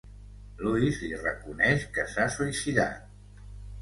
Lewis li reconeix que s'ha suïcidat.